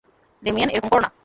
Damien, এরকম করো না!